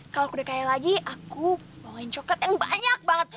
kalo aku udah kaya lagi aku bawain coklat yang banyak banget